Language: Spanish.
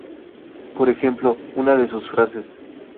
Por ejemplo, una de sus frases.